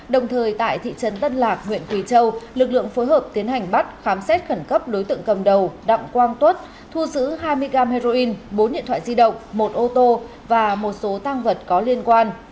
đồng thời tại thị trấn tân lạc huyện quỳ châu lực lượng phối hợp tiến hành bắt khám xét khẩn cấp đối tượng cầm đầu đặng quang tuất thu giữ hai mươi gam heroin bốn điện thoại di động một ô tô và một số tăng vật có liên quan